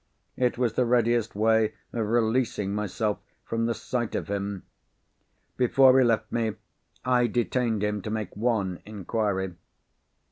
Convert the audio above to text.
It was the readiest way of releasing myself from the sight of him. Before he left me, I detained him to make one inquiry.